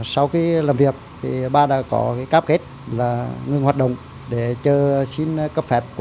sau khi làm việc ba đã có cáp kết ngừng hoạt động để xin cấp phép